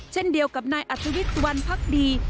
เช่นเดียวกับนายอัธวิทย์สุวรรณพักดี